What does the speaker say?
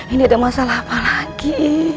ini ada masalah apa lagi